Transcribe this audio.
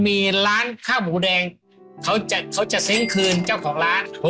ที่ใครลงกันได้นะครับ